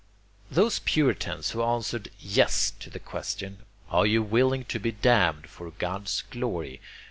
Those puritans who answered 'yes' to the question: Are you willing to be damned for God's glory?